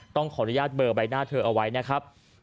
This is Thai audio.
ต้องขออนุญาตเบอร์ใบหน้าเธอเอาไว้นะครับ